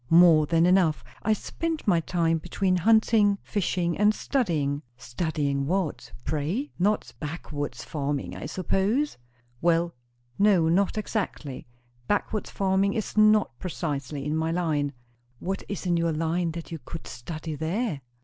"More than enough. I spent my time between hunting fishing and studying." "Studying what, pray? Not backwoods farming, I suppose?" "Well, no, not exactly. Backwoods farming is not precisely in my line." "What is in your line that you could study there?"